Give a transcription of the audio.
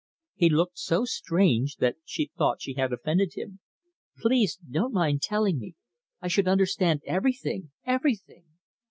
He looked so strange that she thought she had offended him. "Please don't mind telling me. I should understand everything everything.